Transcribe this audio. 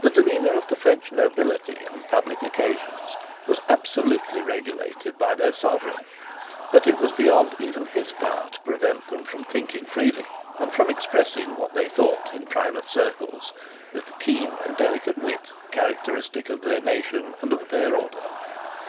The demeanour of the French nobility on public occasions was absolutely regulated by their sovereign: but it was beyond even his power to prevent them from thinking freely, and from expressing what they thought, in private circles, with the keen and delicate wit characteristic of their nation and of their order.